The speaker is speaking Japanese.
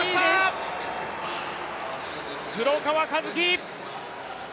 黒川和樹！